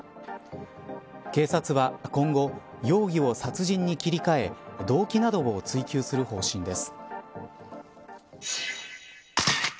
警察は今後容疑を殺人に切り替え動機などを追及する方針です。